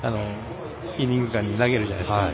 イニング間に投げるじゃないですか。